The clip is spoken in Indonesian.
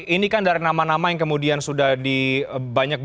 ini kan dari nama nama yang kemudian sudah dibanyak